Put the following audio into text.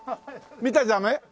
見たらダメ？